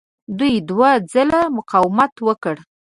دوی دوه ځله مقاومت وکړ.